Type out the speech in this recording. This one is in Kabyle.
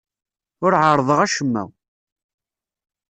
Ur ɛerrḍeɣ acemma.